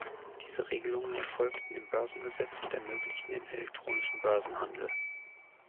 Diese Regelungen erfolgten im Börsengesetz und ermöglichten den elektronischen Börsenhandel.